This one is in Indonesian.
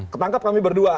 ketangkap kami berdua